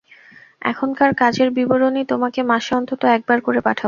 এখানকার কাজের বিবরণী তোমাকে মাসে অন্তত একবার করে পাঠাব।